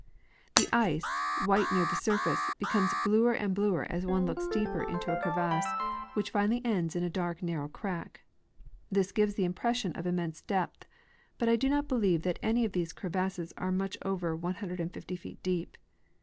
The ice, white near the surface, becomes bluer and bluer as one looks deeper into a crevasse, which finally ends in a dark narrow crack. This gives the impression of im mense depth, but I do not believe that any of these crevasses are much over 150 feet deep.